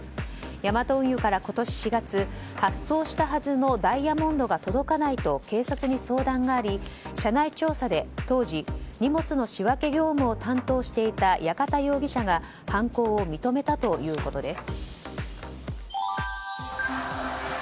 ヤマト運輸から今年４月発送したはずのダイヤモンドが届かないと警察に相談があり、社内調査で当時、荷物の仕分け業務を担当していた矢方容疑者が犯行を認めたということです。